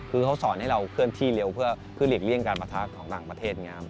คือเขาสอนให้เราเคลื่อนที่เร็วเพื่อหลีกเลี่ยงการประทะของต่างประเทศ